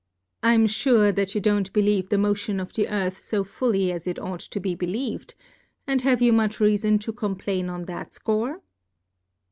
Fm fure that you don't believe the Motion of the Earth fo fully as it ought to be believ'd ; and have you much Reafon to complain on that Score